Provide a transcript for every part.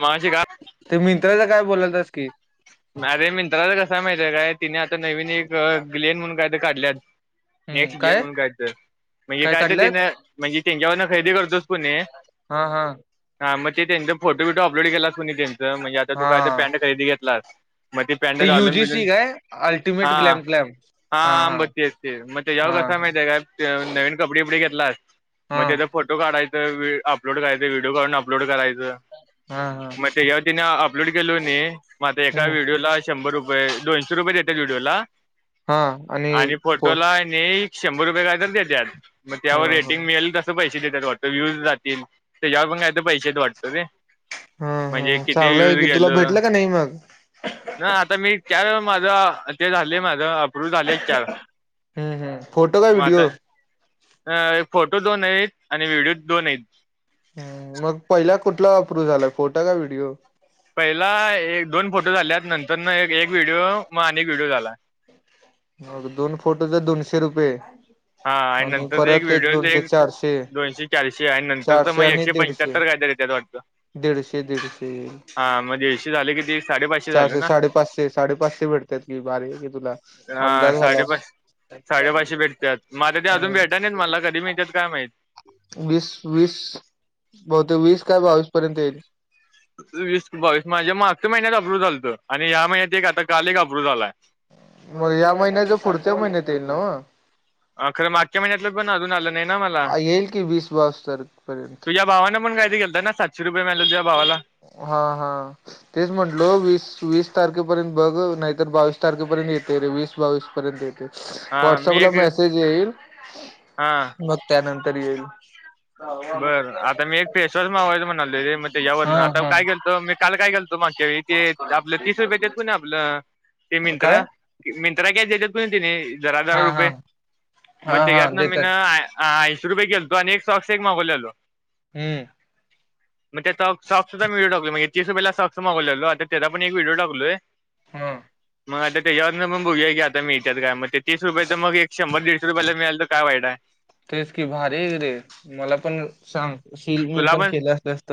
माझे का कळलं काय बोलायला ती! अरे मित्राचं कसा माहितय काय तिने नवीन एक ग्लेन म्हणून काय ते काढल्यात नेक्स्ट इयर म्हणून काय तर म्हणजे काय तर त्यां म्हणजे त्यांच्यावरन खरेदी करतोच कोणी हा हा हा मग ते त्यां फोटो बिटो अपलोड केल्यात कुणी म्हणजे आता तू हा काय तर पॅन्ट खरेदी घेतलास मग ती पॅन्ट ते घालून बिलून युजीसी काय अल्टिमेट हा ग्लॅम ग्लॅम हा मग ते तेच मग ते याऊ हा कसा माहिती आहे काय नवीन कपडे कपडे घेत ला हा मग त्याचा फोटो काढायचा. अपलोड करायचे व्हडिओ करून अपलोड करायचं. हा हा मग तेच्यावर तीन अपलोड केल की, त्या हम्म व्हिडिओला शंभर रुपये! दोनशे रुपय देत्यात व्हिडिओला. हा आणि प फोटोला नाही शंभर रुपये काय तर देत्यात मग हा त्यावर हा रेटिंग मिळेल तसं पैसे. पैसे देतात वाटत व्ह्यूज रातील त्याच्यावर पण काय पैसे वाटतो रे! हा म्हणजे हा चांगलं आहे की तुला भेटलं का नाही मग? नाय आता मीच ज्यावेळी माझा ते झाले माझं. झाले चार हम्म हम्म फोटो काय मग आता व्हिडिओ? अ फोटो दोन आहेत. आणि व्हिडिओ दोन आहेत. हम् मग पहिला कुठला अपरूव्ह झाला फोटा काय व्हिडिओ? पहिला एक दोन फोटो झाल्यात नंतर न एक. एक व्हिडिओ मग अनेक व्हिडीओ झालाय. मग दोन फोटोच दोनशे रुपये. हा आणि नंतर एक परत व्हिडिओ दोनशे एक चारशे दोनशे, चारशे आणि नंतरच चारशे मग आणि एकशे दीडशे पंच्याहत्तर कायतरी येत्यात वाटत, दीडशे दीडशे हा मग दिडशे झाले कि चारशे, साडेपाचशे, साडेपाचशे भेटतात कि भारी कि तुला अ आमदार झालास. साडेपाच साडेपाचशे भेटत्यात माझं ते ह अजून भेटाय नाहीत मला कधी मिळत्यात काय माहित वीस, वीस बहुतेक वीस, काय बावीस. पर्यंत येईल? वीस बावीस माझ्या मागचच्या महिन्यात अप्रूल झालतं, आणि या महि्यात एक आता काल अप्रू्ल झालाय. मग या महिन्याच्या पुढच्या महिन्यात येईल नव्ह अ खरं मागच्या महिन्यातल पण अजून आलं नाहीं ना मला, येईल की वीस बावीस तारखेपर्यंत तुझ्या भावान पण काय तरी केलता ना सातशे. रुपये मिळाले तुझ्या भावाला हा हा तेच म्हटल वीस, वीस तारखे! पर्यंत बघ. नाही तर बावीस तारखेपर्यंत येते रे वीस, बावीस पर्यंत येत. हा मी व्हॉट्सअप ला एक मेसेज येईल. हा मग त्यानंतर तर येईल. बरं आता मी एक फेसवॉश मागवायचं म्हणालोय मग त्याच्यावरन हा आता काय हा केेलतो मी काल काय केलतो मागच्या वेळी ते आपलं तीस रुपये येतात ना आपलं ते काय मिंत्रा मिंत्रा क त्याच्यात पण तिन्ही जरा जरा हा हा रुपये मग हा हा त्याच्यातन मीन देतात आय आय शरू केलतो आणि एक सॉ तेक मागवलेलो. हम्म. मग त्या सॉक्स सॉक्स चा व्हिडिओ टाकलो, म्ह तिस रुपेला सॉक्स मागवलेलो आता त्या पण एक व्हडिओ टाकलोय. हा मग आता तेच्यावरन मग बघूया की आता मिळत काय मग ते तीस रुपयाच मग एक शंभर दीडशे रुपयाला मिळाल तर काय वाईटाय. तेच की भारी आहे रे मला पण सांग. शिल् मी पण केलंअस असत.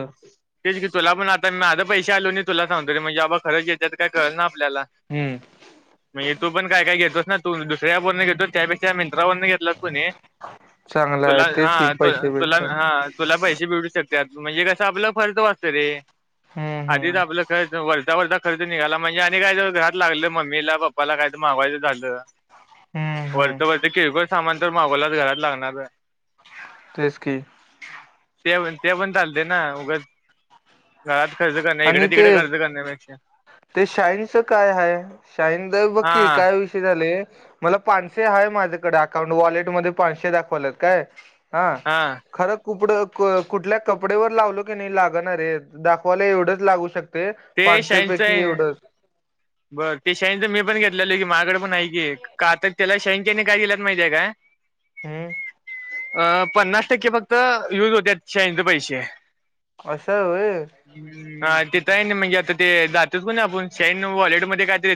मी आता पैसे आलोनी तुला सांगतो र म्हणजे बाबा खरच त काय कळ ना आपल्याला हम्म म्हण तो पण काय काय घेतो ना तू दुसऱ्या फोन घेतो. त्यापेक्षा मिंट्रावरून घेतला तूनी चांगलं आहे तुला तेच की हा तू पैसे तुला भेटतात हा. तुला पैसे भेटू शक त म्हणजे कसं आपलं खर्च वाचतं रे. हम्म आधीच हम्म आपलं खर्च वरचा वरचा. खर्च निघाला म्हणजे आणि काही तर घरात लागलं मम्मीला पप्पाला काय त मागवायचं झालं. हम्म हम्म वरचं वरचं किरकोळ सामान. तर मागोलात घरात लागणारे. तेच की. ते पण ते पण चालते ना उगच घरात खर्च करणं आणि इकडे ते तिकडे खर्च करण्यापेक्षा ते शाईनच काय हाय, शाईन द बग की हा काय विषय झाले. मला पानशे हाहे माझ्याकडे अकाउंट वॉलेटमध्येध्ये पाचशे दाखवलेत काय. हा खर कुपड कुठल्या कपडे्यावर लावलो की नाही लागणारे, दाखव फले एवढंच लागू शक ते पाचशे पैकी एवढंच. बरं ते शाहींचं मी पण घेतले की माझ्याडडे पण आहे की का आता त्याला शयंकने काय दिलात माहितीे का हम्म अ पन्नास टक्के फक्त युज होत शहींचे पैसे असं हो तेथ आहे म्हणजे आता ते जातच कोण आपण श वॉलेटमध्ये काय त्या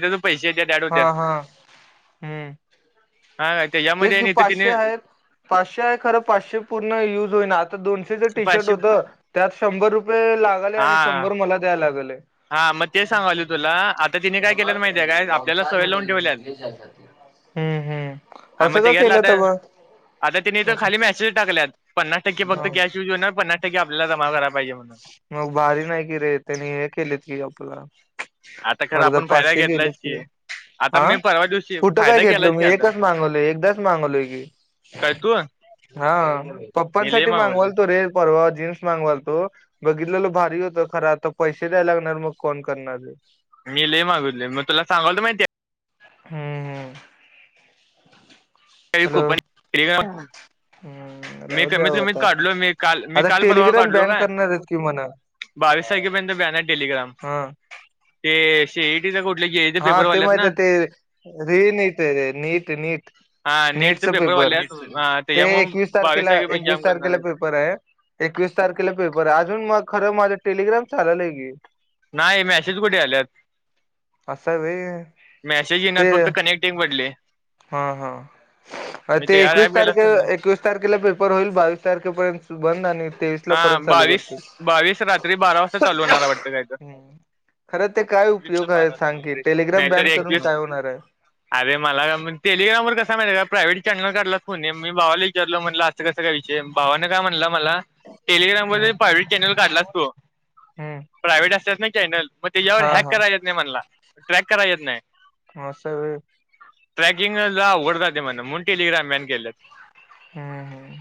हा हा हम्म हा त्याच्यामध्ये तेच की आणि इथं पाचशे तिने आहेत पाचशे आहे खरं पाचशे पूर्ण युज होईना आता दोनशेच टी शर्ट पाचशे होत त्यात शंभर रुपये लागले आणि हा शंभर मला द्याय लागलय हा मग ते सांगाले तुला आता तिने काय केलं माहितीय आहे काय हम् आपल्या आ मग असं का त्याच्यातलं केलंत आता ब आता त्यांनी तर खाली मेसेज टाकल्यात पन्नास टक्के फक्त कॅश यूज होणार पन्नास टक्के आपल्याला जमा करायला पाहिजे म्हणून मग भारी नाही कि रे त्यांनी हे केले आपला आता खरं आपण फायदा पाचशे गेलेत घेतलायच की आता हा मी परवा दिवशी कुठ काय फायदा घेतल केलायच की मी आता एकच मागवलो एकदाच मागवलोय की काय तू हा मी लय पप्पांसाठी मागवले मागवाल तो रे परवा जीन्स मागवाल तो बघित. भारी होत खरा तर पैसे द्याला लागणार मग फन करणारे मी ल मागले मग तुला सांगालत माहिती आहे. हम्म हम्म [unintelligible] का हॅलो कूपण हम्म मी राहू द्या कमीत कमीत आता काढलो मी का मी आता काल परवा टेलिग्राम काढलो बॅन का करणार आहेत की म्हणा बावीस तारखेपर्यंत ब्यान डेली हा ते े तर [unintelligible] हा ते माहित ते रिन नीट नीट हा नीटचे नीटच पेपर वाल्यात ते त्याच्यामुळे एकवीस बावीस तारखेला तारखेपर्यंत जाम एकवीस करणार तारखेला आहेत पेपर आहे एकवीस तारखेला पेपर आहे अजून मग खरं माझा टेलिग्राम चाललय की नाही मीसेच कुठे आलेत. असं बा ते फक्त कनेक्टिंग पडले हा हा मी ते यार एकवीस ऍप गेलाच तारखे पण नाही एकवीस तारखेला पेपर होईल बावीस तारखेपर्यंत त बंद आणि तेवीस ला हा परत चालू बावीस करतील बावीस रात्री बारा वाजता चालू होणार वाटत काय तर हम्म खरं ते काय ला उपयोग आहे बारा सांग की वाज टेलिग्राम नाहीतर बॅन एक करून दिस काय होणार आहे अरे मला टेलिग्राम वर कसा म का प्रायव्हेट चॅनल काढलाच कोणी मी भावाला विचारलं म्हटलं असं कसं काय विषय भावानं काय म्हणला मला टेलिग्राम व हम्म प्रायव्हेट चॅनल काढला अस तो हम्म प्रायव्हेट असतात ना चॅनल मे यववर हा हॅका हा काररगयत निे मलला ट्रॅक करा येत नाही. म स ट्रॅकिंगला ओरतात ते म्ह मुन टेलिग्रामन केलेत हम्म हम्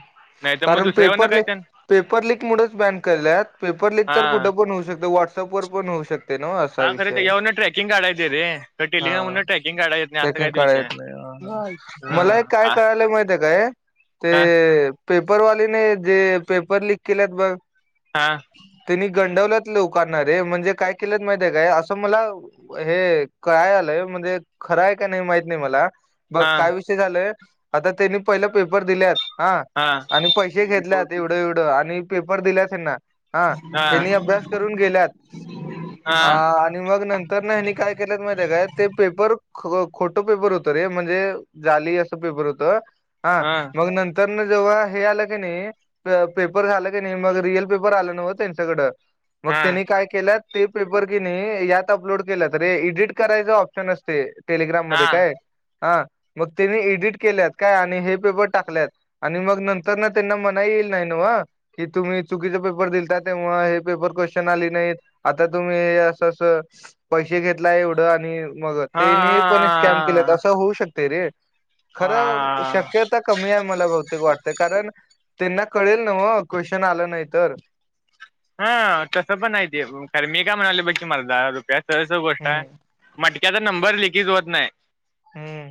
कारण दुसऱ्यावर काय पेपरले त्यान पेपर लिक मुच बॅन केल्या आहेत पेपर लिक तर हा कुठे पण होऊ शकतं व्हॉट्सअपवर पण होऊ शकते. ना असा हा खरे विषय आहे त्याच्यावरून ट्रेकिंग काढायचं रे टेलिंग्राहन हा ट्रेकिंग काढायेत नाही असं त्याच्याने काही काय विषय येत नाही हा हा मला एक काय कळालंय माहितीय काय ते का पेपरवालीने जे पेपर लिक केलेत बघ हा तनी गंडवल्यात ल उकारणारे म्हणजे काय केलेत माहित आहे काय असं मला हे काय आलंय म्हणजे खरंय का नाही माहित नाही मला बघ हा काय विषय झालय आता त तेनी पला पेपर दिलेत हा आणि पैसे घेतलेत एवढं एवढं आणि पेपर दिल्यात ना हा हनी अभ्यास करून गेल्यात हा आणि मग नंतर ना हनी काय केल्यात माहि काय ते पेपर ख खोटं पेपर होतो रे म्हणजे जाली असं पेपर होत हा मग नंतर जेव्हा हे आलं की नाही पेपर झालं की नाही मग रिअल पेपर आलं नव त्यांच्याकड मग त्यांनी काय केलंत ते पेपर कि नाही यात अपलोड केलं तरे एडिट करायच ऑप्शन असते टेलिग्राम मध्ये हा काय हा मग त्याने एडिट केल्यात काय आणि हे पेपर टाकल्यात आणि मग नंतर ना त्यांना मना येईल नाही ना की तुम्ही चुकीचे पेपर दिलता तेव्हा हे पेपर क्वेश्चन आले नाहीत आता तुम्ही अस पैसे घेतला एवढं आणि मग तेनी पण स्कॅम हा केले तर असं होऊ शकते रे खरं हा शक्य आता कमी आहे मला भौतेिक वाटते कारण त्यांना कळेल ना मग क्वेशन आलं नाही तर हा तसं पण नाहीती खर मी काय म्हणाले बघ तुम्हाला दहा रुपया सरस गोष्टा हम्म मट की आता नंबर ललेखित होत नाही हम्म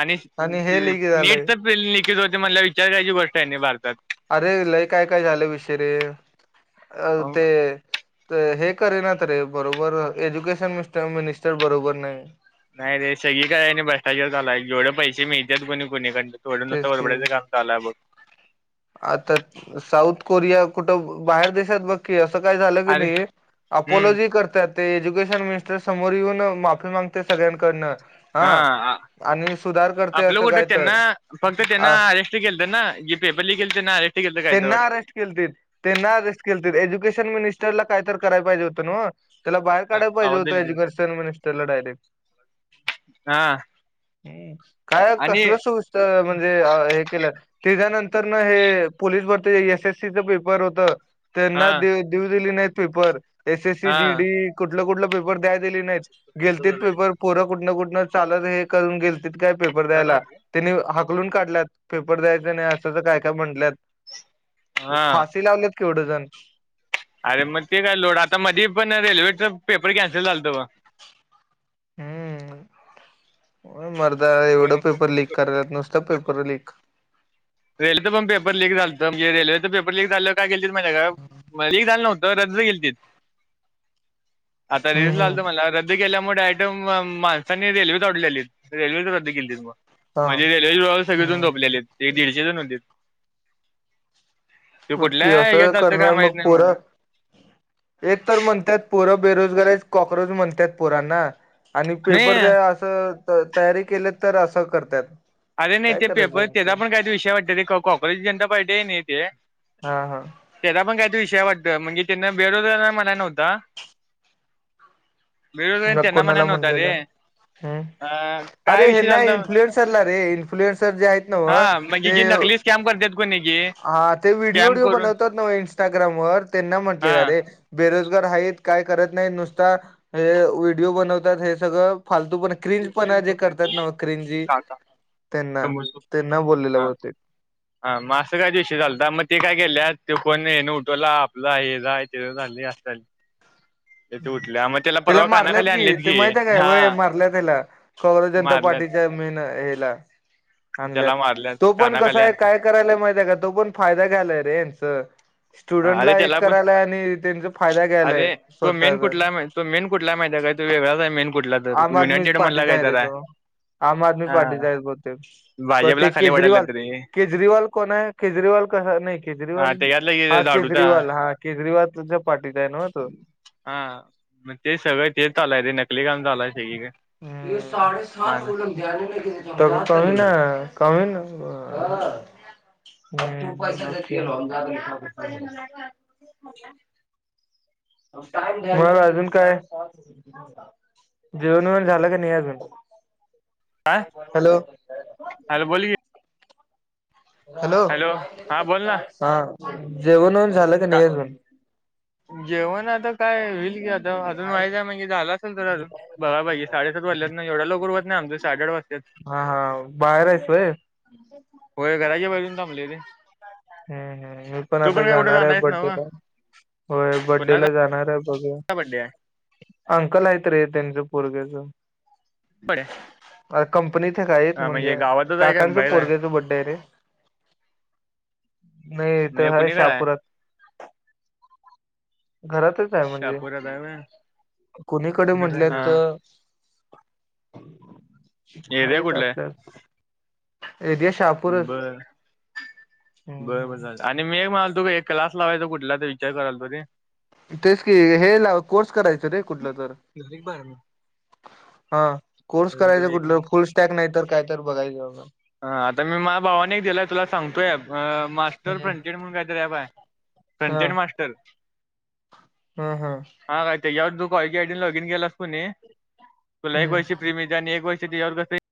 आणि हे लई नीट झालंय तर नििकल हो मला विचारायची गोष्ट आहे नाही भारतात अरे लय काय काय झालं विशरे अ ते तर हे करे ना तर रे बरोबर एज्युकेशन मिर मिनिस्टर बरोबर नाही नाही रे सगळी काय आहे बस्टावरचालाय जेवढे पैसे मिळतात कोणी कोुणीक तेच की थडंुसरबडं काम आलाय आता साऊथ कोरिया कुठं बाहेर देशात बघकी अस अस काही झालं की अरे नाही हम्म अपोलोजी करत ते एज्युकेशन मिनिस्टर समोर येऊन माफी मागते सगळ्यांकडनं हा आणि सुधार करते आपलं असं कुठं काय त्यांना तर फक्त त्यांना अ अजस्ट केलं तर ना जीपे बली खेते ना आहे केलतं काय त्यांना अरेस्ट के त्यांना अरेस्ट के एज्युकेशन मिनट ला काही तर कराय पाहिजे होतं मग त्याला बाहेर काढायला पाहिजे आवाज होत दिली की एज्युकेशन मिनिस्टरला डायरेक्ट हा हम काय आणि कसल सुस् म्हणजे हे केलं तेच्यानंतर तर ना हे पोलीस भरती एस एससीचं पेपर होतं तर हा ना दे देऊ दिली नाही पेपर एस एसी हा जीडी कुठलं कुठलं पेपर द्याय दिले नाहीत गेलते पेपर पोरक कुठ कुठं चाल हे करून गे त काय पेपर द्यायलानी उकलून काढल्यात पेपर द्यायचं नाही असं तर काय काय म्हटल्यात हा फाशी लावले क उडझन अरे मग ते काय लोड आता मधी पण रेल्वेचा पेपर कॅन्सल झालत हम्म मर आ एवढं पेपर क करायला नुसतं पेपर लक रेलचं पण पेपर िक झालं म्हजे रेल्वेच पेपर लीक झालं का ग हम्म क झालं नव्हं रजज गेल त आता रिस हम्म लागल त मला रद्द केल्यामुळे माणसांनी रेल्वेच आडले आली रेल्वे रद्दी केली मग हा म्हणजे रेल्वेचे सगळेजन हम्म. ठोपले एक दीड जल नंदत नक्की असं करणार मग नाही मला. पोरक एक तर म्हणतात पोरक बेरोजगारी कॉक्रोच म्हणतात पोरांना आणि नाही पेपर द असं तयारी केली तर असं करतात अरे नाही काय ते पेपर करायचं त्याला पण काही ते विषय वाटत ते काँक्रेजी जनता पार्टी आहे नाही ते हा हा त्याचा पण काय विषय वाटत म्हणजे त्यांना बेरोजगार मणा नव्हता मग कोणाला रे म्हणलेलं ह अ काय अरे हे विषय ना झालता इन्फ्लुएन्स चाला रे प् हा म्हणजे जे नकली स्कॅम करतात कोणी जे व्हडओ स्कॅम वड करून बनत इटाग्राम त्यां हा म्हटे [unintelligible] बेरोजगार आहेत काय करत नाहीत नुसता हे व्हिडिओ बनवतात हे सगळं फालत का त्यांना सर त्यांना बोललेलं ह बहुतेक हा म असं काय दिवशी चालत मग ते काय केलेत ते पण ये न उठवला आपलं हे जाय गांधली असत [unintelligible] ह त्याला मारल्यात कानाखाली कि आणलेत ते की माहित आहे काय हा वय मारलं त्याला काग्र जनता मारल्यात पार्टीच्या मेन हेला आणल्यात त्याला मारल्यात तो पण कसा कानाखाली आहे आणल्यात. काय करायलाय माहित आहे का तो पण फायदा घ्यालाय रेच हा अरे स्टुडंटला त्याला एक पण करायलाय आणि त्यांचा फायदा घ्यायलाय अरे तो मेन स्वतःचा कुठला आहे तो मेन कुठला माहि आहे का तोेगळा [inaudible] आम आदमी पार्टी जायर आहेेतो आम आदमी हा पार्टी जाय बते क ते भाजपला खाली वाढायला केजरीवाल तरी केजरीवाल कोण आहे केजरीवाल कसा नाही केजरीवाल हा ा केजरीवाल हा केजरीवालच्या पार्टीचा आहे नव्ह तो मग ते सगळ ते चालय ते नक [unintelligible] झालाय ते साडे सहाो लाग आ [unintelligible] [unintelligible] त कमी ना कमी ना म्हणाला अजून काय दिव [unintelligible] झालं का नाही अजून हा हॅलो हॅलो बोल की हॅलो हा बोल ना जेवणून का जेवण आता काय होईल की आता अजून व्हायचय म्हणजे झाला असेल तर अजून बघाईजे साडेसात वाजल्यात ना एवढा लोक उरवत नाही आमच्या साडेआठ वाजल्यात हा हा बाहेर आहेस व्हय होय घराच्या बाजून थांबले रे हम्म हम् मी पण तू आता काय कुठं जाणार आहे आहेस ना व? बड्डेला होय बड्डे ला कुणाचा जाणार आहे ब बड्डे आहे अंकल आहेतत रे त्यांच पोरग्याच बडे्या [unintelligible] अर क [unintelligible] पण इथे काय म्हणजे आहे का काकांचं बाहेर आहे पोरग्याच बड्डे आहे रे नाही तर म्हणजे ह कुणीकडे आहे शाहापुरात घरातच आहे म्हणजे शहापुरात आहे व्हय कोणीकडे म्हटले हा तर एरिया ह तर कुठला आहे आपल्या एेतया शहापूरच बर बर बर आणि मी म्हल तु एक कलास लावायचं कुठला तर विचार कराल तुरी तेच कि हे ला कोर्स करायच रे कुठलं तर झाली की बारा मिनिटं हा कोर्स अजून दोन करायचं एक कुठलं मिनिट फुल स्टॅक नाही तर काय तर बघायचं बघ हा आता मी माला भावाने दिलाय तुला सांगतोय अ मास्टर हा फ्रंटेड म्हणून कायत बाय फ्रंटेड मास्टर हा हा हायत यावु ॉ गाडीन लॉगिन ग केलास कोुणी तुला हम्म एक वर्षी प्रेमीच आणि एक वर्षी त्याच्यावर कसं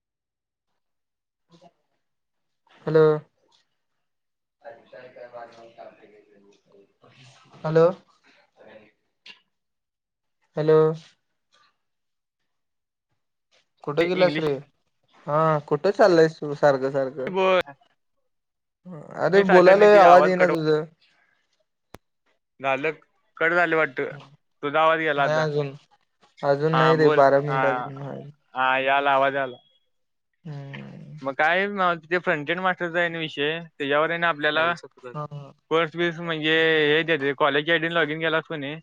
हॅलो हॅलो हॅलो कुठे गेला श इंग्लिश रे हा कुठे चालस सारखं सारखं अरे सारखं नाही बोलायलोय तिचा आवाज ये ना कट तुझ पालक कड झाली वाटत तूधावात गेला नाही आता अजून अजून हा नाही रे बोल बारा हाा मिनिट अजून आहे. आला आवाज आला हम् मग कायल ना जे फ्रंटेड मास्टर आहे ना विषय त्याच्यावर ना आपल्याला हा परर्स बी म्हणजे हेच कॉलेज च्या आयडी न लॉगिन केलास कनी